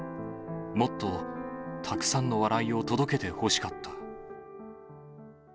もっと、たくさんの笑いを届けてほしかった。